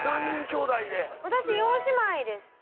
私４姉妹です。